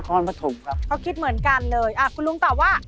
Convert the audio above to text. เขาคิดเหมือนกันเลยคุณลุงตอบว่า